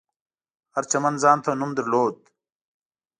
هر چمن ځانته نوم درلود.